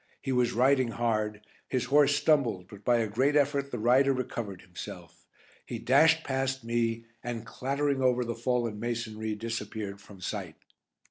He was riding hard; his horse stumbled, but by a great effort the rider recovered himself. He dashed past me and, clattering over the fallen masonry, disappeared from sight.